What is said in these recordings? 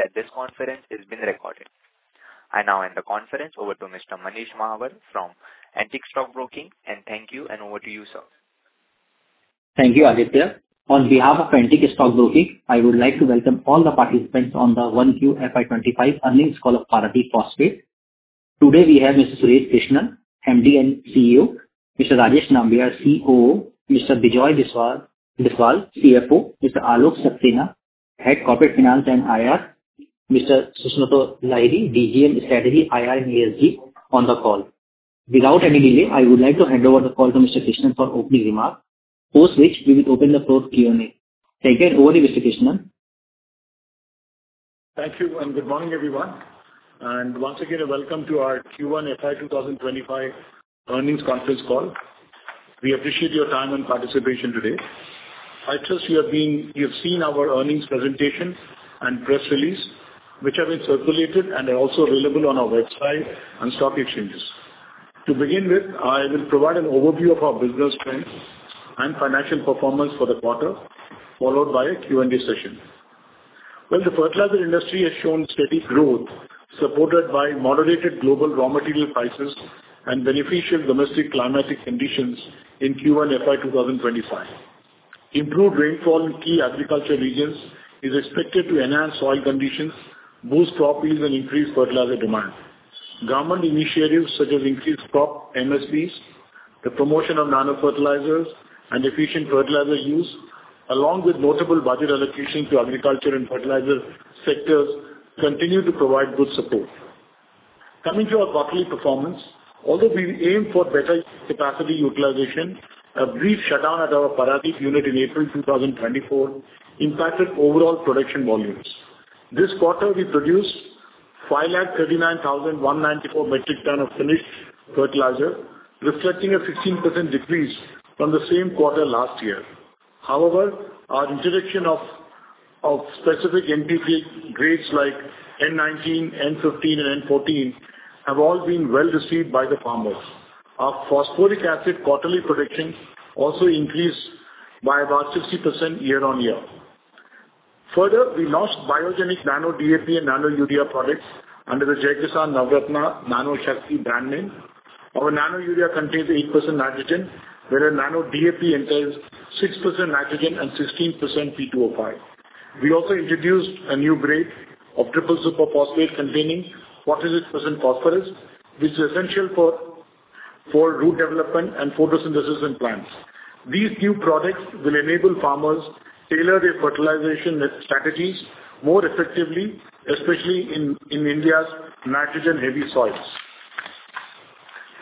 That this conference is being recorded. I now end the conference over to Mr. Manish Mahawar from Antique Stock Broking, and thank you, and over to you, sir. Thank you, Aditya. On behalf of Antique Stock Broking, I would like to welcome all the participants on the 1Q FY25 earnings call of Paradeep Phosphates. Today we have Mr. Suresh Krishnan, MD and CEO, Mr. Rajeev Nambiar, COO, Mr. Bijoy Biswal, CFO, Mr. Alok Saxena, Head Corporate Finance and IR, Mr. Susnato Lahiri, DG and Strategy IR and ESG, on the call. Without any delay, I would like to hand over the call to Mr. Krishnan for opening remarks, after which we will open the floor to Q&A. Take it over to Mr. Krishnan. Thank you, and good morning, everyone. Once again, a welcome to our Q1 FY25 earnings conference call. We appreciate your time and participation today. I trust you have seen our earnings presentation and press release, which have been circulated and are also available on our website and stock exchanges. To begin with, I will provide an overview of our business trends and financial performance for the quarter, followed by a Q&A session. Well, the fertilizer industry has shown steady growth supported by moderated global raw material prices and beneficial domestic climatic conditions in Q1 FY25. Improved rainfall in key agriculture regions is expected to enhance soil conditions, boost crop yields, and increase fertilizer demand. Government initiatives such as increased crop MSPs, the promotion of nanofertilizers, and efficient fertilizer use, along with notable budget allocations to agriculture and fertilizer sectors, continue to provide good support. Coming to our quarterly performance, although we aim for better capacity utilization, a brief shutdown at our Paradeep unit in April 2024 impacted overall production volumes. This quarter, we produced 539,194 metric tons of finished fertilizer, reflecting a 16% decrease from the same quarter last year. However, our introduction of specific NPK grades like N19, N15, and N14 have all been well received by the farmers. Our phosphoric acid quarterly production also increased by about 60% year-over-year. Further, we launched Biogenic Nano DAP and Nano Urea products under the Jai Kisaan Navratna Nano Shakti brand name. Our Nano Urea contains 8% nitrogen, whereas Nano DAP entails 6% nitrogen and 16% P2O5. We also introduced a new grade of Triple Super Phosphate containing 46% phosphorus, which is essential for root development and photosynthesis in plants. These new products will enable farmers to tailor their fertilization strategies more effectively, especially in India's nitrogen-heavy soils.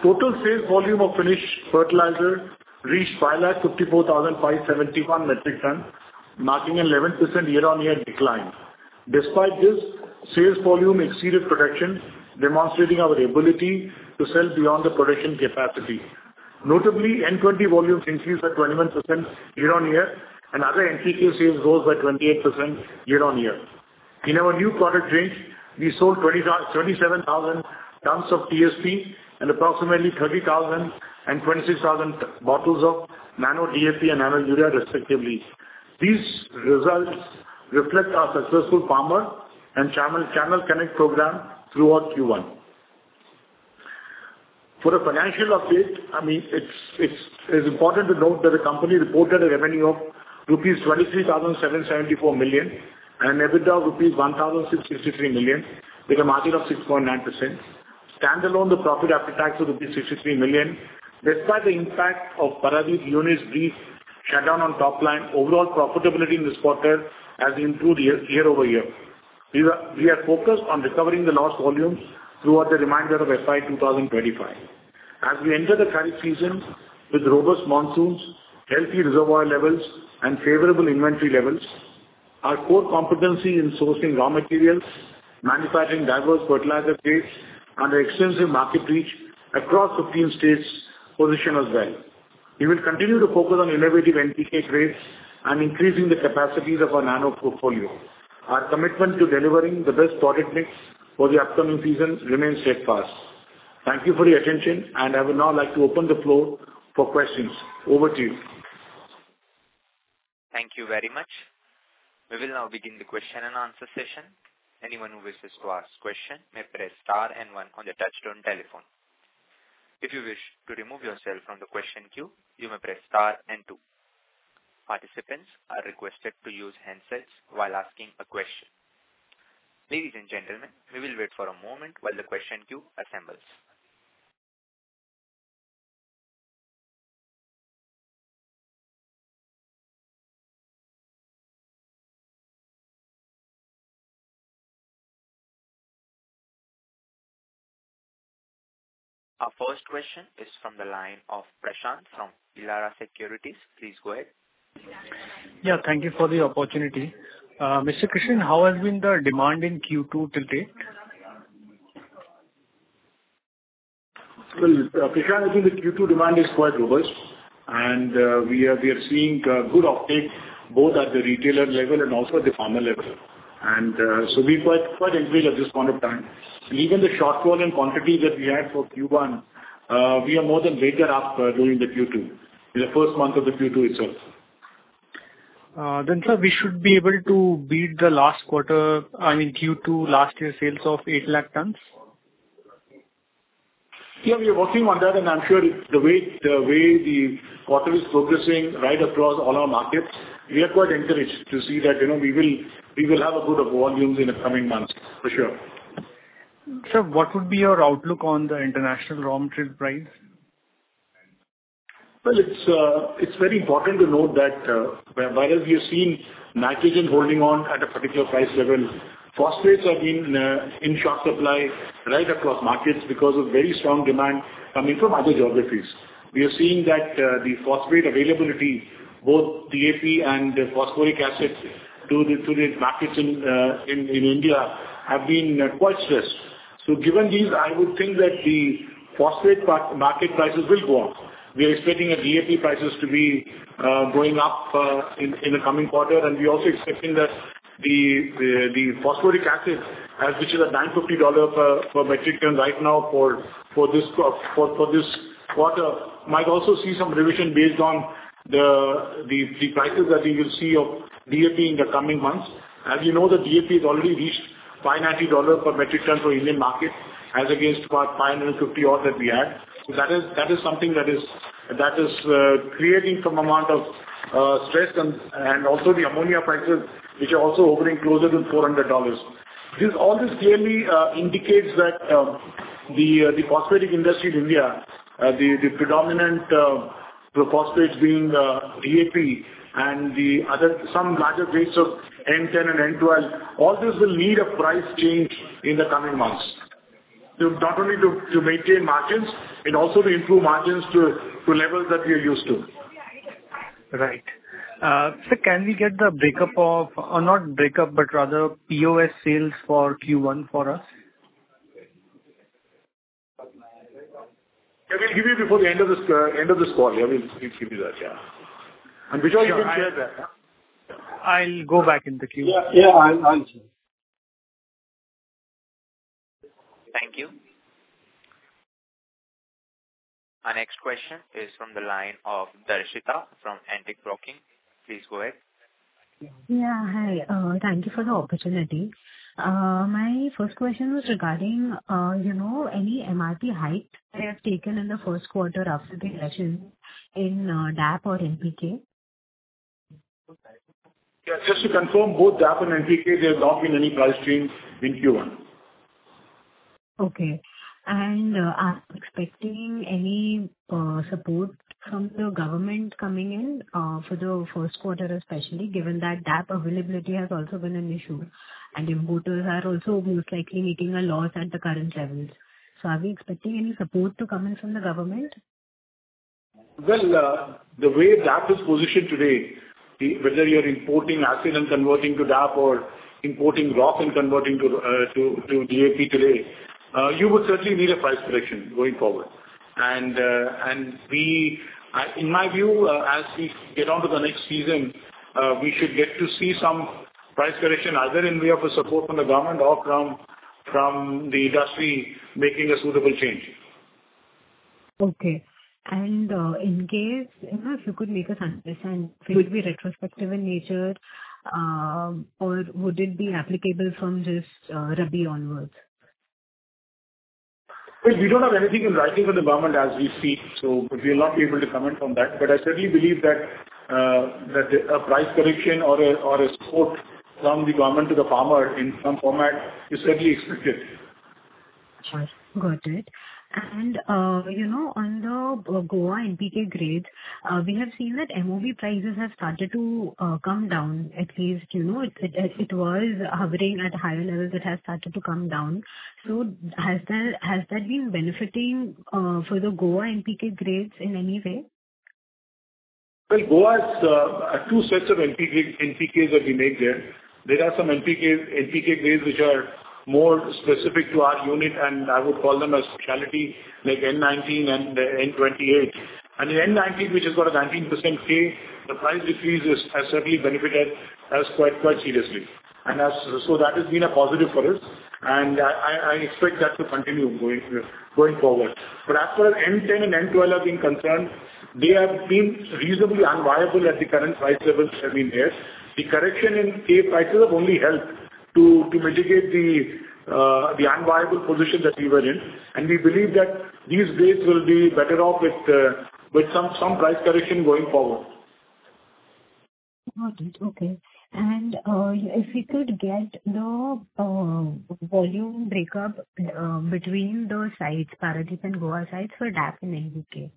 Total sales volume of finished fertilizer reached 554,571 metric tons, marking an 11% year-over-year decline. Despite this, sales volume exceeded production, demonstrating our ability to sell beyond the production capacity. Notably, N20 volume increased by 21% year-over-year, and other NPK sales rose by 28% year-over-year. In our new product range, we sold 27,000 tons of TSP and approximately 30,000 and 26,000 bottles of nano DAP and nano urea, respectively. These results reflect our successful farmer and channel connect program throughout Q1. For a financial update, it's important to note that the company reported a revenue of rupees 23,774 million and EBITDA of rupees 1,663 million with a margin of 6.9%. Standalone, the profit after tax was rupees 63 million. Despite the impact of Paradeep unit's brief shutdown on topline, overall profitability in this quarter has improved year over year. We are focused on recovering the lost volumes throughout the remainder of FY25. As we enter the credit season with robust monsoons, healthy reservoir levels, and favorable inventory levels, our core competency in sourcing raw materials, manufacturing diverse fertilizer grades, and extensive market reach across 15 states positions well. We will continue to focus on innovative NPK grades and increasing the capacities of our nano portfolio. Our commitment to delivering the best product mix for the upcoming season remains steadfast. Thank you for your attention, and I would now like to open the floor for questions. Over to you. Thank you very much. We will now begin the question and answer session. Anyone who wishes to ask a question may press star and one on the touch-tone telephone. If you wish to remove yourself from the question queue, you may press star and two. Participants are requested to use handsets while asking a question. Ladies and gentlemen, we will wait for a moment while the question queue assembles. Our first question is from the line of Prashant from Elara Securities. Please go ahead. Yeah, thank you for the opportunity. Mr. Krishnan, how has been the demand in Q2 till date? Prashant, I think the Q2 demand is quite robust, and we are seeing good uptake both at the retailer level and also at the farmer level. And so we're quite enthusiastic at this point of time. And even the shortfall in quantity that we had for Q1, we are more than making up during the Q2, in the first month of the Q2 itself. Then sir, we should be able to beat the last quarter, I mean, Q2 last year's sales of 800,000 tons? Yeah, we are working on that, and I'm sure the way the quarter is progressing right across all our markets, we are quite encouraged to see that we will have a good volume in the coming months, for sure. Sir, what would be your outlook on the international raw material price? Well, it's very important to note that while we have seen nitrogen holding on at a particular price level, phosphates have been in short supply right across markets because of very strong demand coming from other geographies. We are seeing that the phosphate availability, both DAP and phosphoric acid, to the markets in India have been quite stressed. So given these, I would think that the phosphate market prices will go up. We are expecting DAP prices to be going up in the coming quarter, and we are also expecting that the phosphoric acid, which is at $950 per metric ton right now for this quarter, might also see some revision based on the prices that we will see of DAP in the coming months. As you know, the DAP has already reached $590 per metric ton for Indian markets, as against about $550 or that we had. So that is something that is creating some amount of stress, and also the ammonia prices, which are also hovering closer to $400. All this clearly indicates that the phosphatic industry in India, the predominant phosphates being DAP and some larger grades of N10 and N12, all this will need a price change in the coming months, not only to maintain margins and also to improve margins to levels that we are used to. Right. Sir, can we get the breakup of or not breakup, but rather POS sales for Q1 for us? Yeah, we'll give you before the end of this call. Yeah, we'll give you that, yeah. And before you can share that. I'll go back in the queue. Yeah, I'll share. Thank you. Our next question is from the line of Darshita from Antique Stock Broking. Please go ahead. Yeah, hi. Thank you for the opportunity. My first question was regarding any MRP hike they have taken in the first quarter after the election in DAP or NPK. Yeah, just to confirm, both DAP and NPK, there have not been any price changes in Q1. Okay. And are you expecting any support from the government coming in for the first quarter, especially given that DAP availability has also been an issue, and importers are also most likely making a loss at the current levels? So are we expecting any support to come in from the government? Well, the way DAP is positioned today, whether you're importing acid and converting to DAP or importing rock and converting to DAP today, you would certainly need a price correction going forward. And in my view, as we get onto the next season, we should get to see some price correction, either in view of a support from the government or from the industry making a suitable change. Okay. And in case, if you could make us understand, would it be retrospective in nature, or would it be applicable from just Rabi onwards? Well, we don't have anything in writing from the government as we see, so we will not be able to comment on that. But I certainly believe that a price correction or a support from the government to the farmer in some format is certainly expected. Sure. Got it. And on the Goa NPK grades, we have seen that MOP prices have started to come down. At least it was hovering at higher levels. It has started to come down. So has that been benefiting for the Goa NPK grades in any way? Well, Goa has two sets of NPKs that we make there. There are some NPK grades which are more specific to our unit, and I would call them a specialty, like N19 and N28. And the N19, which has got a 19% K, the price decrease has certainly benefited us quite seriously. And so that has been a positive for us, and I expect that to continue going forward. But as for N10 and N12, I've been concerned. They have been reasonably unviable at the current price levels that have been there. The correction in K prices have only helped to mitigate the unviable position that we were in, and we believe that these grades will be better off with some price correction going forward. Got it. Okay. If we could get the volume breakup between the sites, Paradeep and Goa sites, for DAP and NPK.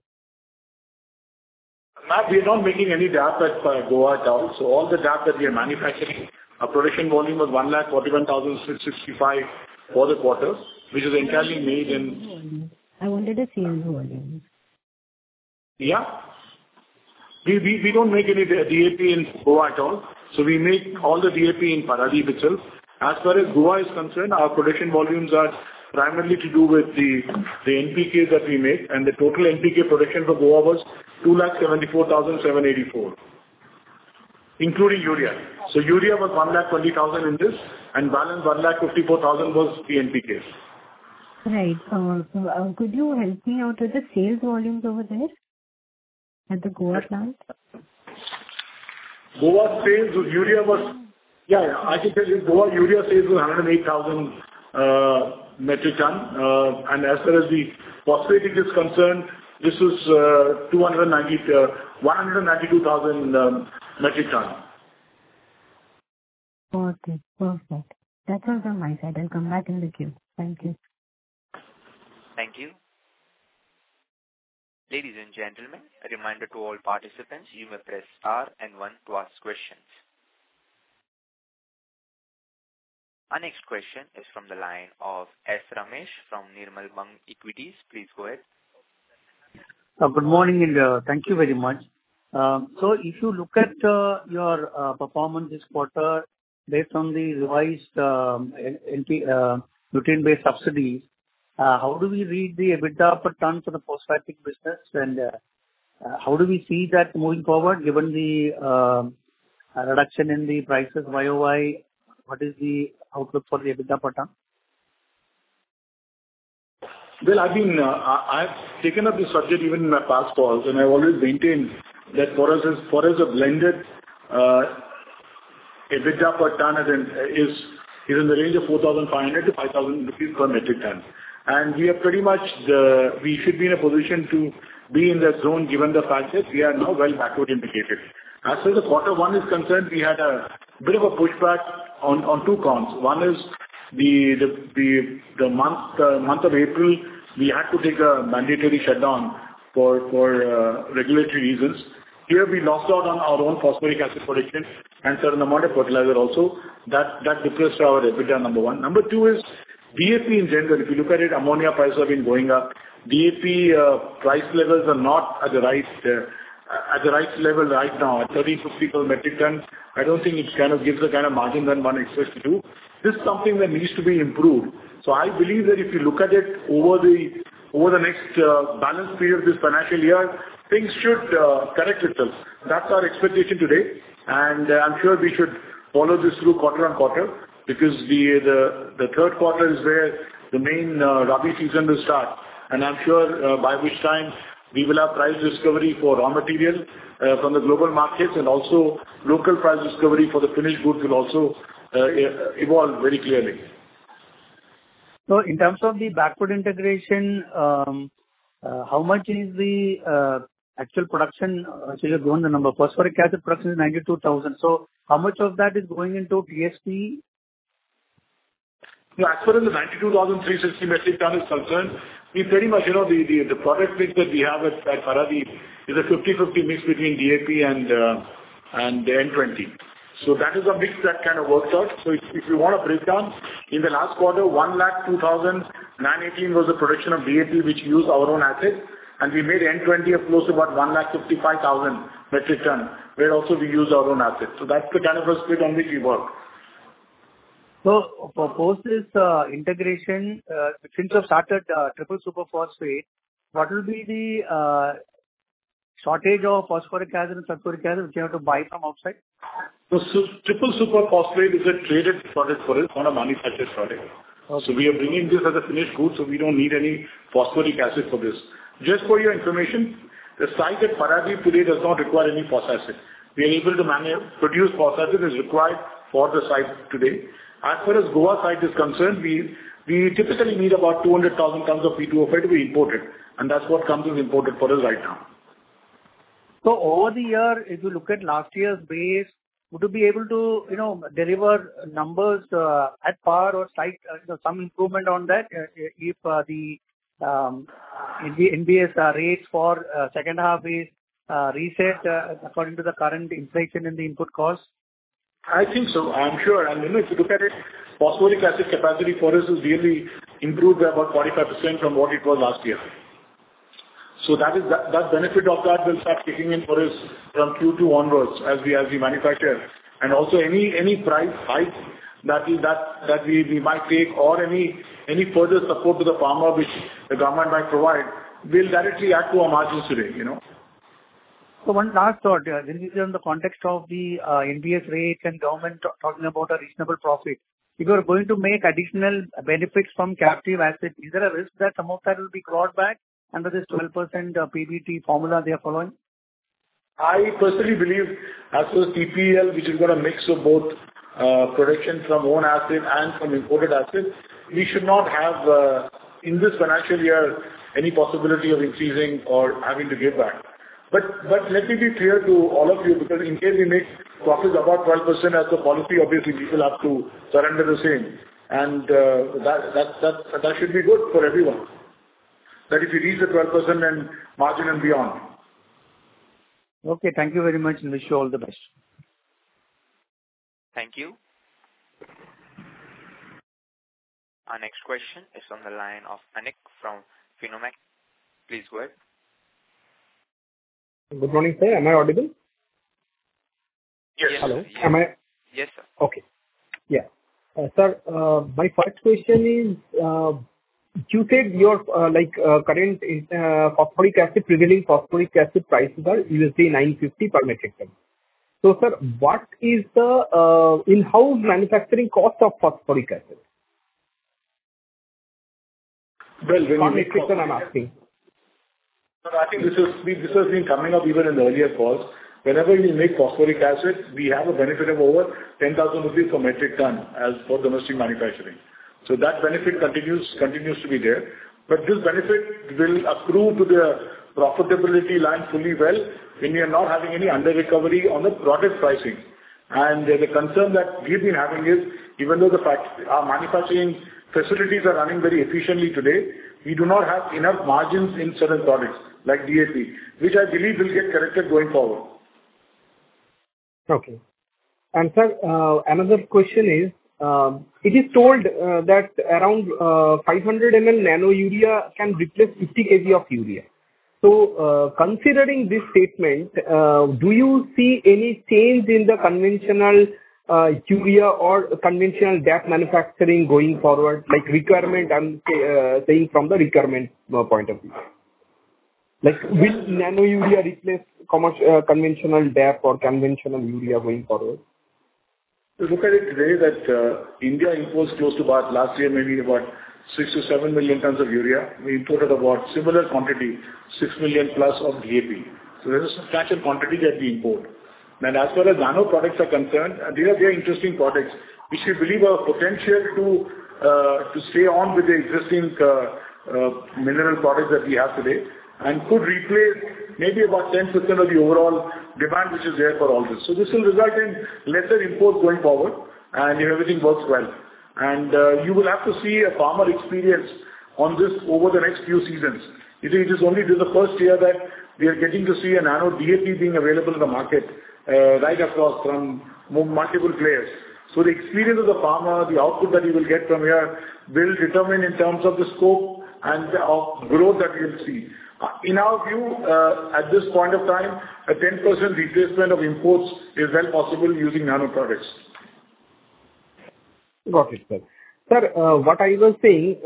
Ma'am, we are not making any DAP at Goa at all. All the DAP that we are manufacturing, our production volume was 141,665 for the quarter, which is entirely made in. Volume. I wanted to see your volume. Yeah. We don't make any DAP in Goa at all, so we make all the DAP in Paradeep itself. As far as Goa is concerned, our production volumes are primarily to do with the NPKs that we make. And the total NPK production for Goa was 274,784, including urea. So urea was 120,000 in this, and balance 154,000 was the NPKs. Right. Could you help me out with the sales volumes over there at the Goa plant? Goa sales, urea was yeah, I can tell you. Goa urea sales was 108,000 metric tons. And as far as the phosphate is concerned, this was 192,000 metric tons. Okay. Perfect. That was on my side. I'll come back in the queue. Thank you. Thank you. Ladies and gentlemen, a reminder to all participants, you may press star and one to ask questions. Our next question is from the line of S. Ramesh from Nirmal Bang Equities. Please go ahead. Good morning, India. Thank you very much. So if you look at your performance this quarter based on the revised routine-based subsidies, how do we read the EBITDA per ton for the phosphatic business, and how do we see that moving forward given the reduction in the prices YOY? What is the outlook for the EBITDA per ton? Well, I've taken up this subject even in my past calls, and I've always maintained that for us, a blended EBITDA per ton is in the range of 4,500-5,000 rupees per metric ton. And we are pretty much, we should be in a position to be in that zone given the fact that we are now well backward integrated. As far as the quarter one is concerned, we had a bit of a pushback on two fronts. One is the month of April, we had to take a mandatory shutdown for regulatory reasons. Here, we lost out on our own phosphoric acid production and certain amount of fertilizer also. That depressed our EBITDA, number one. Number two is DAP in general. If you look at it, ammonia prices have been going up. DAP price levels are not at the right level right now, at $1,350 per metric ton. I don't think it kind of gives the kind of margin that one expects to do. This is something that needs to be improved. So I believe that if you look at it over the next balance period of this financial year, things should correct itself. That's our expectation today, and I'm sure we should follow this through quarter on quarter because the third quarter is where the main Rabi season will start. I'm sure by which time we will have price discovery for raw materials from the global markets and also local price discovery for the finished goods will also evolve very clearly. So in terms of the backward integration, how much is the actual production going the number? Phosphoric acid production is 92,000. So how much of that is going into TSP? Yeah, as far as the 92,360 metric tons is concerned, we pretty much the product mix that we have at Paradeep is a 50/50 mix between DAP and N20. So that is a mix that kind of works out. So if you want a breakdown, in the last quarter, 102,918 was the production of DAP, which used our own acid, and we made N20 of close to about 155,000 metric tons, where also we used our own acid. So that's the kind of a split on which we work. For post-this integration, since you have started Triple Super Phosphate, what will be the shortage of Phosphoric Acid and Phosphoric Acid if you have to buy from outside? Triple Super Phosphate is a traded product for us, not a manufactured product. We are bringing this as a finished good, so we don't need any phosphoric acid for this. Just for your information, the site at Paradeep today does not require any phosphatic. We are able to produce phosphatic as required for the site today. As far as Goa site is concerned, we typically need about 200,000 tons of P2O5 to be imported, and that's what comes as imported for us right now. Over the year, if you look at last year's base, would you be able to deliver numbers at par or some improvement on that if the NBS rates for second half is reset according to the current inflation in the input costs? I think so. I'm sure. And if you look at it, phosphoric acid capacity for us is really improved by about 45% from what it was last year. So that benefit of that will start kicking in for us from Q2 onwards as we manufacture. And also any price hike that we might take or any further support to the farmer, which the government might provide, will directly add to our margins today. So one last thought, Vinney, in the context of the NBS rates and government talking about a reasonable profit, if you are going to make additional benefits from captive acid, is there a risk that some of that will be clawed back under this 12% PBT formula they are following? I personally believe, as for PPL, which is going to mix of both production from own acid and from imported acid, we should not have, in this financial year, any possibility of increasing or having to give back. But let me be clear to all of you because in case we make profits above 12% as the policy, obviously, we will have to surrender the same. That should be good for everyone, that if you reach the 12% margin and beyond. Okay. Thank you very much, and wish you all the best. Thank you. Our next question is on the line of Anik from Finnomatics. Please go ahead. Good morning, sir. Am I audible? Yes. Hello? Am I? Yes, sir. Okay. Yeah. Sir, my first question is, you said your current phosphoric acid prevailing phosphoric acid prices are $950 per metric ton. So, sir, what is the in-house manufacturing cost of phosphoric acid? Well, Renewable. Per metric ton, I'm asking. Sir, I think this has been coming up even in earlier calls. Whenever we make phosphoric acid, we have a benefit of over 10,000 rupees per metric ton for domestic manufacturing. So that benefit continues to be there. But this benefit will accrue to the profitability line fully well when we are not having any under-recovery on the product pricing. And the concern that we've been having is, even though our manufacturing facilities are running very efficiently today, we do not have enough margins in certain products like DAP, which I believe will get corrected going forward. Okay. And, sir, another question is, it is told that around 500 ml nano urea can replace 50 kg of urea. So considering this statement, do you see any change in the conventional urea or conventional DAP manufacturing going forward, like requirement? I'm saying from the requirement point of view. Will nano urea replace conventional DAP or conventional urea going forward? To look at it today, India imports close to about last year, maybe about 6-7 million tons of urea. We imported about similar quantity, 6+ million of DAP. So there is a substantial quantity that we import. And as far as nano products are concerned, these are very interesting products, which we believe have potential to stay on with the existing mineral products that we have today and could replace maybe about 10% of the overall demand, which is there for all this. So this will result in lesser imports going forward, and if everything works well. And you will have to see a farmer experience on this over the next few seasons. It is only the first year that we are getting to see a nano DAP being available in the market right across from multiple players. So the experience of the farmer, the output that he will get from here, will determine in terms of the scope and of growth that we will see. In our view, at this point of time, a 10% replacement of imports is well possible using nano products. Got it, sir. Sir, what I was saying,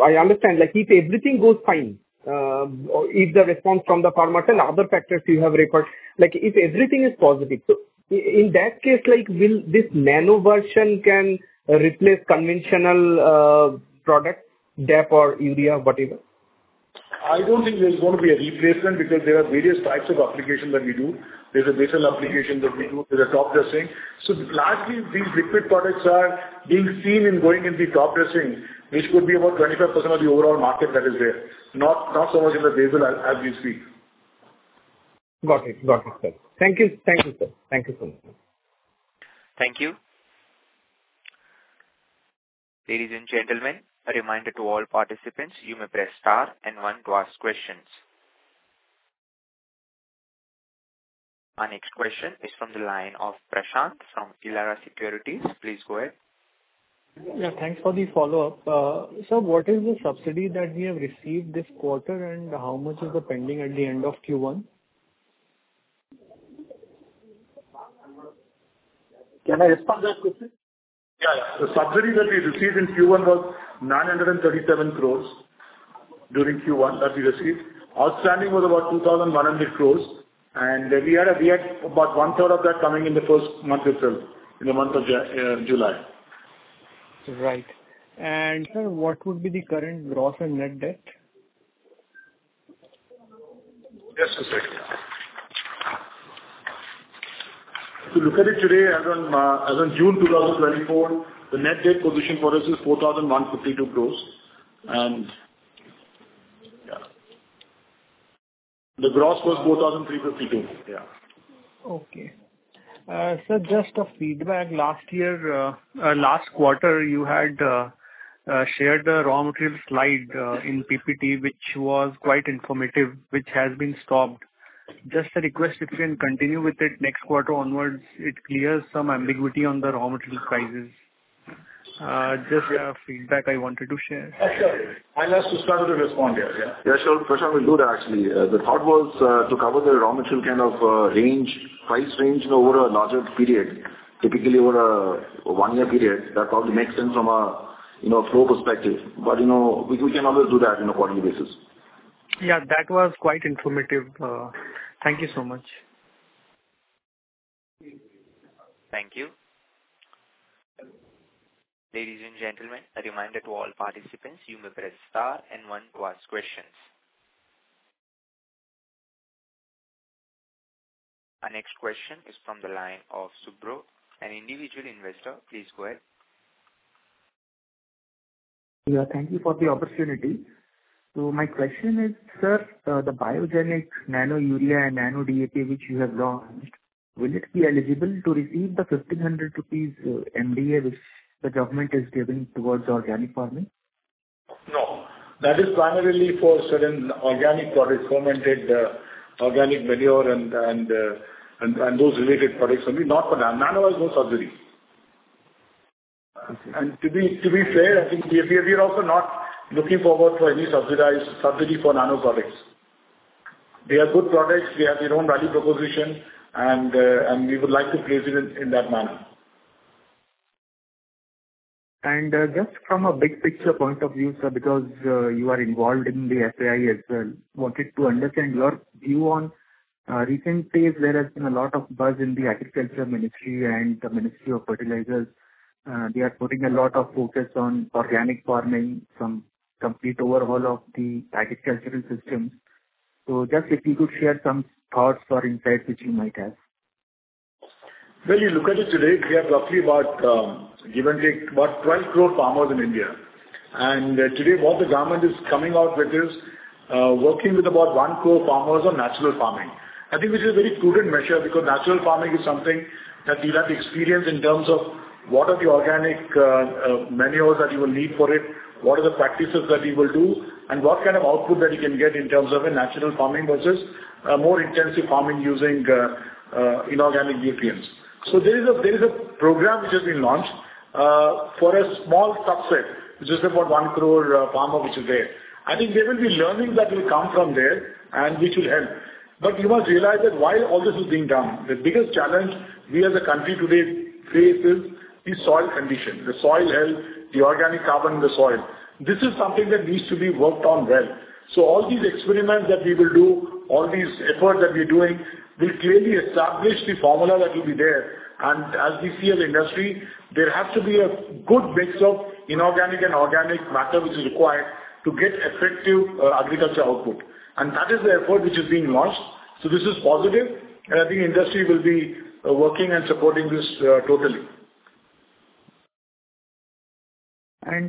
I understand. If everything goes fine, if the response from the farmer and other factors you have reported, if everything is positive, so in that case, will this nano version replace conventional products, DAP or Urea, whatever? I don't think there is going to be a replacement because there are various types of applications that we do. There's a basal application that we do. There's a top dressing. So largely, these liquid products are being seen in going into top dressing, which could be about 25% of the overall market that is there, not so much in the basal as we speak. Got it. Got it, sir. Thank you. Thank you, sir. Thank you so much. Thank you. Ladies and gentlemen, a reminder to all participants, you may press star and one to ask questions. Our next question is from the line of Prashant from Elara Securities. Please go ahead. Yeah. Thanks for the follow-up. Sir, what is the subsidy that we have received this quarter, and how much is the pending at the end of Q1? Can I respond to that question? Yeah, yeah. The subsidy that we received in Q1 was 937 crore during Q1 that we received. Outstanding was about 2,100 crore, and we had about one-third of that coming in the first month itself, in the month of July. Right. Sir, what would be the current gross and net debt? Yes, sir. To look at it today, as on June 2024, the net debt position for us is 4,152 crores. And yeah, the gross was 4,352. Yeah. Okay. Sir, just a feedback. Last quarter, you had shared the raw materials slide in PPT, which was quite informative, which has been stopped. Just a request if you can continue with it next quarter onwards. It clears some ambiguity on the raw material prices. Just a feedback I wanted to share. Sure. And as to start to respond here, yeah? Yeah, sure. Prashant will do that, actually. The thought was to cover the raw material kind of price range over a larger period, typically over a one-year period. That probably makes sense from a flow perspective. But we can always do that on a quarterly basis. Yeah. That was quite informative. Thank you so much. Thank you. Ladies and gentlemen, a reminder to all participants, you may press star and one to ask questions. Our next question is from the line of Subhro, an individual investor. Please go ahead. Yeah. Thank you for the opportunity. So my question is, sir, the Biogenic Nano Urea and Nano DAP, which you have launched, will it be eligible to receive the 1,500 rupees MDA, which the government is giving towards organic farming? No. That is primarily for certain organic products, fermented organic manure, and those related products, only not for that. Nano is no subsidy. And to be fair, I think we are also not looking forward to any subsidy for nano products. They are good products. They have their own value proposition, and we would like to place it in that manner. Just from a big picture point of view, sir, because you are involved in the FAI as well, wanted to understand your view on recent days. There has been a lot of buzz in the Agriculture Ministry and the Ministry of Fertilizers. They are putting a lot of focus on organic farming, some complete overhaul of the agricultural systems. So just if you could share some thoughts or insights which you might have? Well, if you look at it today, we have roughly about, give and take, about 12 crore farmers in India. Today, what the government is coming out with is working with about 1 crore farmers on natural farming, I think, which is a very prudent measure because natural farming is something that you have to experience in terms of what are the organic manures that you will need for it, what are the practices that you will do, and what kind of output that you can get in terms of natural farming versus more intensive farming using inorganic nutrients. So there is a program which has been launched for a small subset, which is about 1 crore farmer, which is there. I think there will be learnings that will come from there and which will help. But you must realize that while all this is being done, the biggest challenge we as a country today face is the soil condition, the soil health, the organic carbon in the soil. This is something that needs to be worked on well. So all these experiments that we will do, all these efforts that we're doing will clearly establish the formula that will be there. And as we see as industry, there has to be a good mix of inorganic and organic matter, which is required to get effective agriculture output. And that is the effort which is being launched. So this is positive, and I think industry will be working and supporting this totally.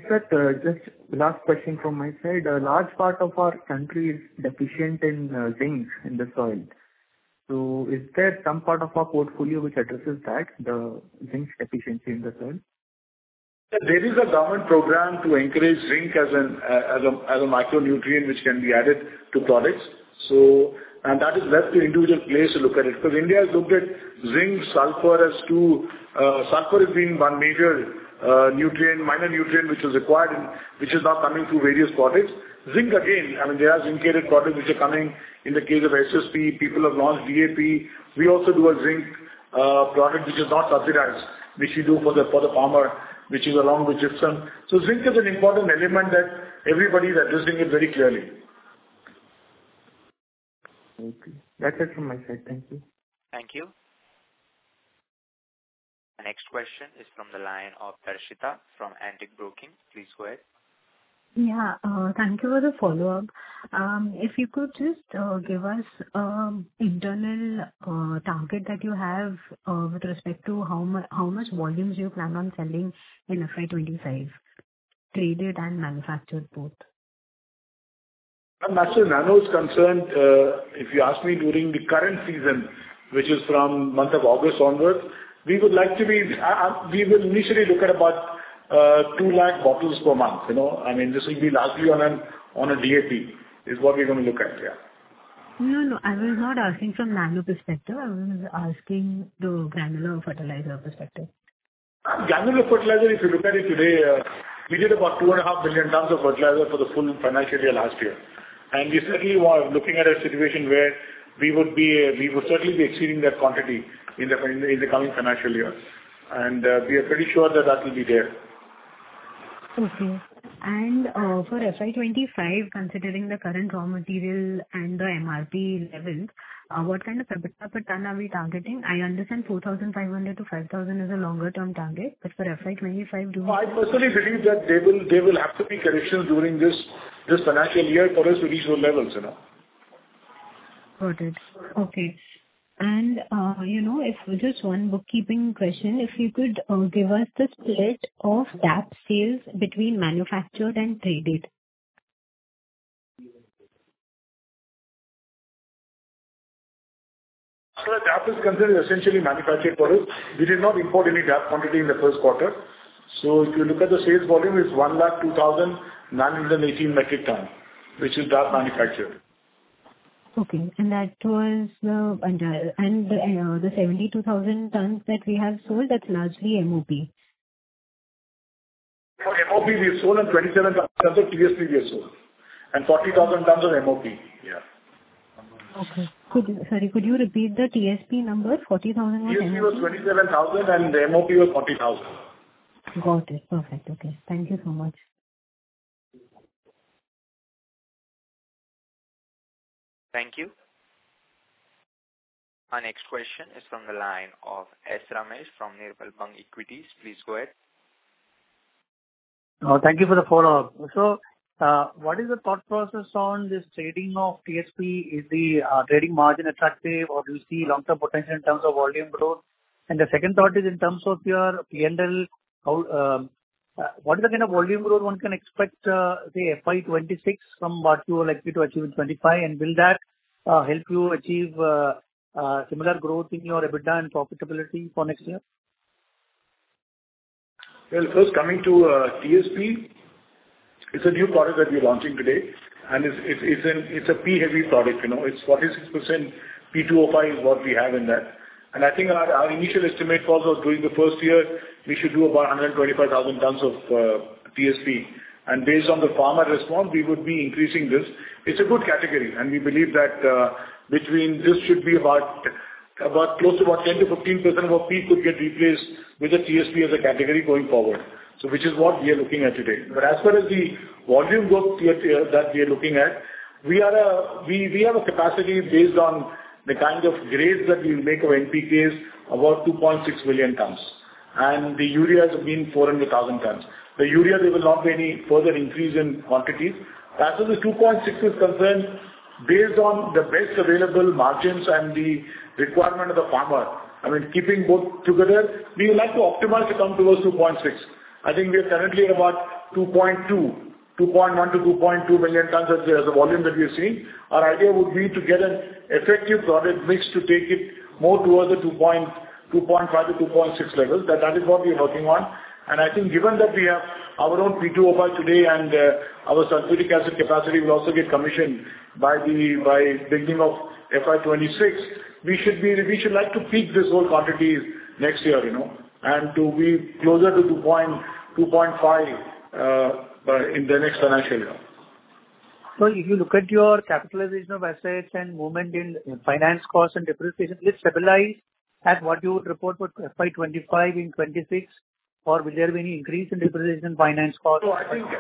Sir, just last question from my side. A large part of our country is deficient in zinc in the soil. So is there some part of our portfolio which addresses that, the zinc deficiency in the soil? There is a government program to encourage zinc as a micronutrient which can be added to products. And that is left to individual players to look at it because India has looked at zinc, sulfur as two sulfur has been one major minor nutrient which is required and which is now coming through various products. Zinc, again, I mean, there are zinc-added products which are coming in the case of SSP. People have launched DAP. We also do a zinc product which is not subsidized, which we do for the farmer, which is along with gypsum. So zinc is an important element that everybody is addressing it very clearly. Okay. That's it from my side. Thank you. Thank you. Our next question is from the line of Darshita from Antique Stock Broking. Please go ahead. Yeah. Thank you for the follow-up. If you could just give us an internal target that you have with respect to how much volumes you plan on selling in FY25, traded and manufactured both? As for nano is concerned, if you ask me during the current season, which is from month of August onwards, we would like to be we will initially look at about 200,000 bottles per month. I mean, this will be largely on a DAP is what we're going to look at. Yeah. No, no. I was not asking from nano perspective. I was asking the granular fertilizer perspective. Granular fertilizer, if you look at it today, we did about 2.5 billion tons of fertilizer for the full financial year last year. We certainly are looking at a situation where we would certainly be exceeding that quantity in the coming financial year. We are pretty sure that that will be there. Okay. For FY25, considering the current raw material and the MRP levels, what kind of per tonne are we targeting? I understand 4,500-5,000 is a longer-term target, but for FY25, do we? Oh, I personally believe that there will have to be corrections during this financial year for us to reach those levels. Got it. Okay. Just one bookkeeping question. If you could give us the split of DAP sales between manufactured and traded? Sir, DAP is considered essentially manufactured for us. We did not import any DAP quantity in the first quarter. So if you look at the sales volume, it's 102,918 metric tonnes, which is DAP manufactured. Okay. And that was the 72,000 tons that we have sold. That's largely MOP. For MOP, we have sold 27,000 tons of TSP and 40,000 tons of MOP. Yeah. Okay. Sorry. Could you repeat the TSP number? 40,000 on MOP. TSP was 27,000, and the MOP was 40,000. Got it. Perfect. Okay. Thank you so much. Thank you. Our next question is from the line of S. Ramesh from Nirmal Bang Equities. Please go ahead. Thank you for the follow-up. So what is the thought process on this trading of TSP? Is the trading margin attractive, or do you see long-term potential in terms of volume growth? And the second thought is in terms of your P&L, what is the kind of volume growth one can expect, say, FY26 from what you would like to achieve in '25? And will that help you achieve similar growth in your EBITDA and profitability for next year? Well, first, coming to TSP, it's a new product that we're launching today, and it's a P-heavy product. It's 46% P2O5 is what we have in that. And I think our initial estimate was during the first year, we should do about 125,000 tons of TSP. And based on the farmer response, we would be increasing this. It's a good category, and we believe that this should be close to about 10%-15% of our P could get replaced with the TSP as a category going forward, which is what we are looking at today. But as far as the volume growth that we are looking at, we have a capacity based on the kind of grades that we make of NPKs, about 2.6 million tons. And the urea has been 400,000 tons. The urea, there will not be any further increase in quantities. As for the 2.6 is concerned, based on the best available margins and the requirement of the farmer, I mean, keeping both together, we would like to optimize to come towards 2.6. I think we are currently at about 2.1-2.2 million tons as a volume that we are seeing. Our idea would be to get an effective product mix to take it more towards the 2.5-2.6 levels. That is what we are working on. I think given that we have our own P2O5 today and our sulfuric acid capacity will also get commissioned by the beginning of FY26, we should like to peak this whole quantity next year and to be closer to 2.5 in the next financial year. So if you look at your capitalization of assets and movement in finance costs and depreciation, will it stabilize at what you would report for FY25 in 2026, or will there be any increase in depreciation and finance costs?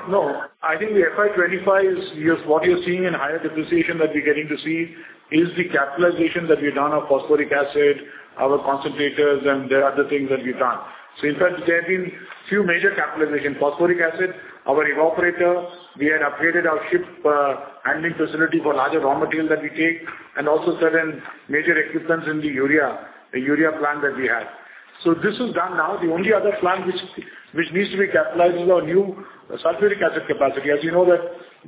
No, I think FY25 is what you're seeing in higher depreciation. That we're getting to see is the capitalization that we've done of phosphoric acid, our concentrators, and the other things that we've done. So in fact, there have been a few major capitalizations: phosphoric acid, our evaporator. We had upgraded our ship handling facility for larger raw material that we take, and also certain major equipment in the urea plant that we have. So this is done now. The only other plant which needs to be capitalized is our new sulfuric acid capacity. As you know,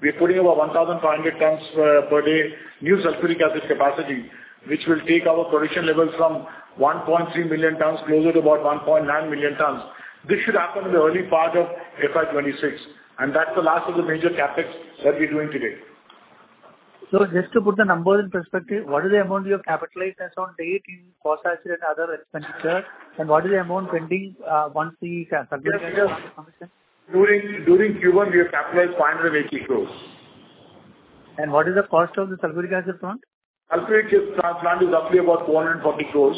we are putting about 1,500 tons per day new sulfuric acid capacity, which will take our production levels from 1.3 million tons closer to about 1.9 million tons. This should happen in the early part of FY26. And that's the last of the major capex that we're doing today. So just to put the numbers in perspective, what is the amount you have capitalized as on day 18, phosphoric acid and other expenditure? And what is the amount pending once the sulfuric acid is commissioned? During Q1, we have capitalized 580 crore. What is the cost of the sulfuric acid plant? Sulfuric acid plant is roughly about 440 crore,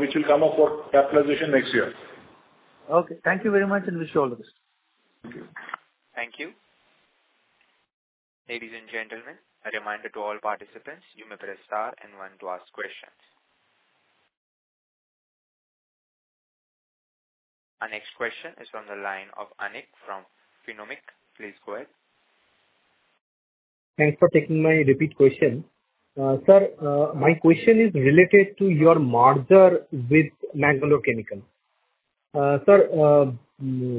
which will come up for capitalization next year. Okay. Thank you very much, and wish you all the best. Thank you. Thank you. Ladies and gentlemen, a reminder to all participants, you may press star and one to ask questions. Our next question is from the line of Anik from Finnomatics. Please go ahead. Thanks for taking my repeat question. Sir, my question is related to your merger with Mangalore Chemicals. Sir,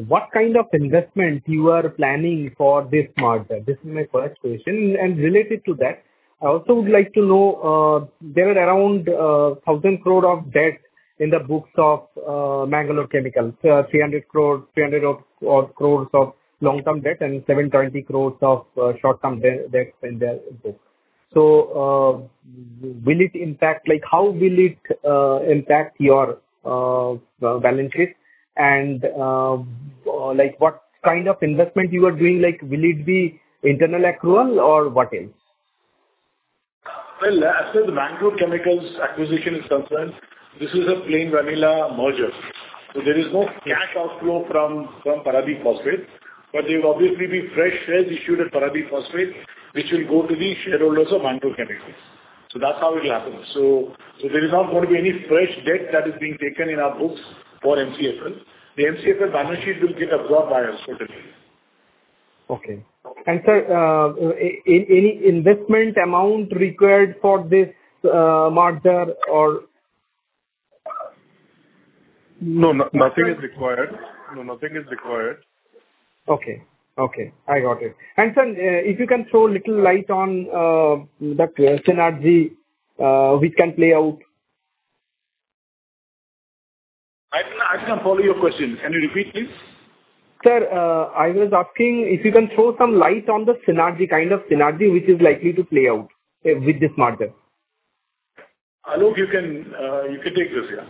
what kind of investment you are planning for this merger? This is my first question. And related to that, I also would like to know, there are around 1,000 crore of debt in the books of Mangalore Chemicals, 300 crore of long-term debt and 720 crore of short-term debt in their books. So will it impact how will it impact your balance sheet? And what kind of investment you are doing, will it be internal accrual or what else? Well, as for the Mangalore Chemicals acquisition is concerned, this is a plain vanilla merger. So there is no cash outflow from Paradeep Phosphates, but there will obviously be fresh shares issued at Paradeep Phosphates, which will go to the shareholders of Mangalore Chemicals. So that's how it will happen. So there is not going to be any fresh debt that is being taken in our books for MCFL. The MCFL balance sheet will get absorbed by us totally. Okay. And, sir, any investment amount required for this merger or? No, nothing is required. No, nothing is required. Okay. Okay. I got it. And, sir, if you can throw a little light on the question that which can play out. I cannot follow your question. Can you repeat, please? Sir, I was asking if you can throw some light on the kind of synergy which is likely to play out with this merger. I hope you can take this. Yeah.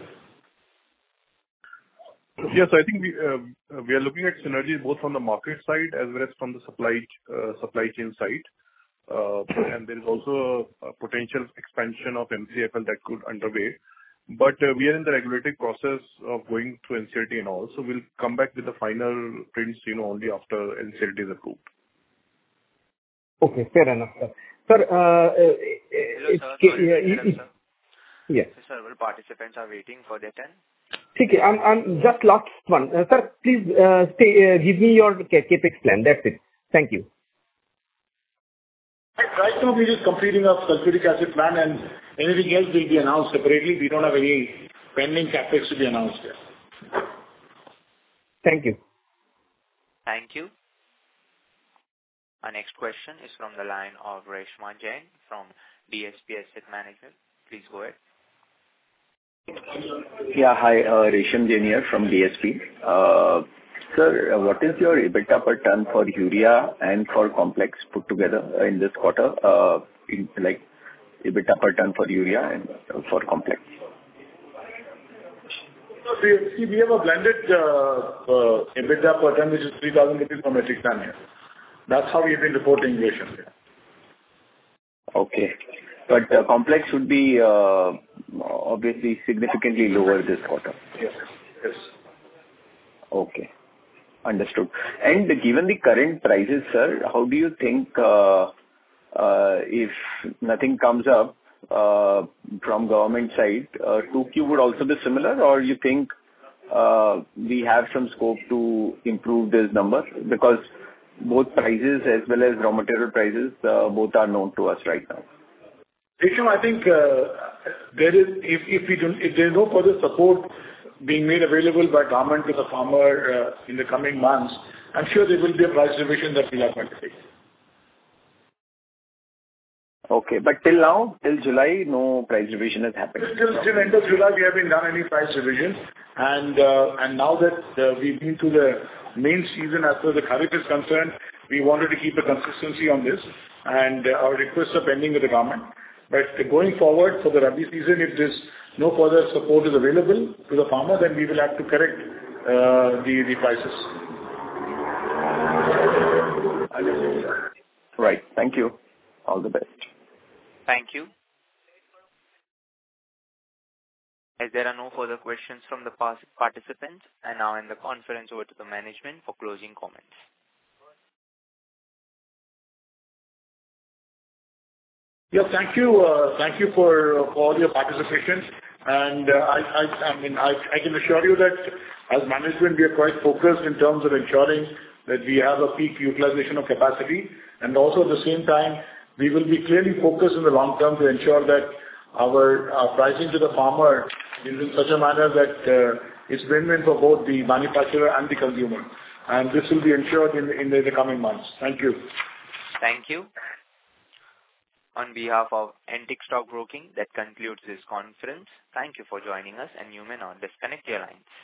Yes, I think we are looking at synergies both from the market side as well as from the supply chain side. And there is also a potential expansion of MCFL that could underway. But we are in the regulatory process of going through NCLT and all. So we'll come back with the final prints only after NCLT is approved. Okay. Fair enough, sir. Sir, it's. Hello, sir. Yes. Sir, all participants are waiting for their turn. Thank you. Just last one. Sir, please give me your CapEx plan. That's it. Thank you. Right now, we're just completing our sulfuric acid plant, and anything else will be announced separately. We don't have any pending capex to be announced yet. Thank you. Thank you. Our next question is from the line of Resham Jain from DSP Asset Management. Please go ahead. Yeah. Hi, Resham Jain here from DSP. Sir, what is your EBITDA per ton for urea and for complex put together in this quarter, EBITDA per ton for urea and for complex? See, we have a blended EBITDA per tonne, which is 3,000 rupees per metric tonne here. That's how we have been reporting resources. Okay. But complex would be obviously significantly lower this quarter. Yes. Yes. Okay. Understood. Given the current prices, sir, how do you think if nothing comes up from government side, 2Q would also be similar, or you think we have some scope to improve this number because both prices as well as raw material prices, both are known to us right now? Resham, I think if there is no further support being made available by government to the farmer in the coming months, I'm sure there will be a price revision that we are going to take. Okay. But till now, till July, no price revision has happened? Still, till the end of July, we haven't done any price revisions. Now that we've been through the main season as per the current is concerned, we wanted to keep the consistency on this and our requests are pending with the government. Going forward, for the Rabi season, if there's no further support available to the farmer, then we will have to correct the prices. Understood, sir. Right. Thank you. All the best. Thank you. Is there no further questions from the participants? Now, I'm going to hand the conference over to the management for closing comments. Yeah. Thank you for all your participation. And I mean, I can assure you that as management, we are quite focused in terms of ensuring that we have a peak utilization of capacity. And also, at the same time, we will be clearly focused in the long term to ensure that our pricing to the farmer is in such a manner that it's win-win for both the manufacturer and the consumer. And this will be ensured in the coming months. Thank you. Thank you. On behalf of Antique Stock Broking, that concludes this conference. Thank you for joining us, and you may now disconnect your lines.